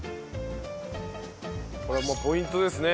これもポイントですね。